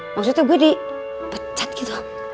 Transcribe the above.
maksudnya gue di pecat gitu